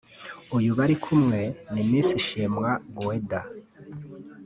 uyu bari kumwe ni Miss Shimwa Guelda